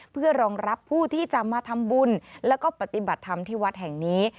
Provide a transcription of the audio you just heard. เพื่อรองรับผู้ที่จะมาทำบุญแล้วก็ปฏิบัติธรรมที่วัดแห่งนี้